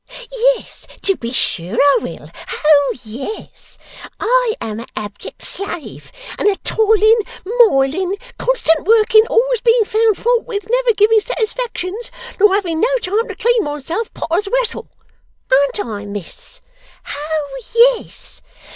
Yes, to be sure I will. Ho yes! I am a abject slave, and a toiling, moiling, constant working, always being found fault with, never giving satisfactions, nor having no time to clean oneself, potter's wessel an't I, miss! Ho yes!